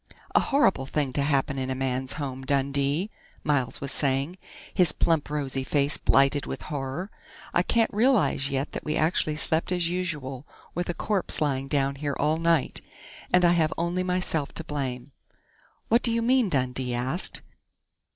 "A horrible thing to happen in a man's home, Dundee," Miles was saying, his plump, rosy face blighted with horror. "I can't realize yet that we actually slept as usual with a corpse lying down here all night! And I have only myself to blame " "What do you mean?" Dundee asked.